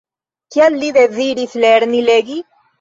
Kial li deziris lerni legi?